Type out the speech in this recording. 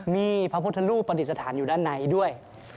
มีพระพุทธรูปปฏิสถานอยู่ด้านในด้วย